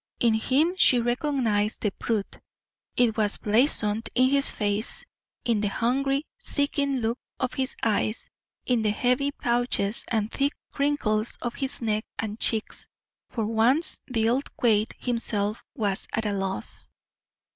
In him she recognized the Brute. It was blazoned in his face, in the hungry, seeking look of his eyes in the heavy pouches and thick crinkles of his neck and cheeks. For once Bill Quade himself was at a loss.